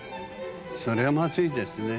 それは、まずいですね。